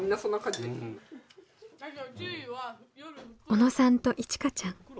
小野さんといちかちゃん。